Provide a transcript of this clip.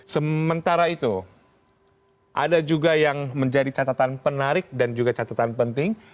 sementara itu ada juga yang menjadi catatan penarik dan juga catatan penting